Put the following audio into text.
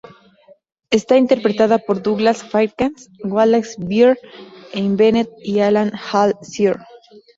Está interpretada por Douglas Fairbanks, Wallace Beery, Enid Bennett y Alan Hale, Sr.